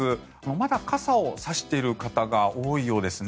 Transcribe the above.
まだ傘を差している方が多いようですね。